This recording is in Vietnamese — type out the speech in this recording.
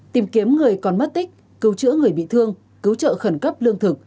tìm kiếm người còn mất tích cứu chữa người bị thương cứu trợ khẩn cấp lương thực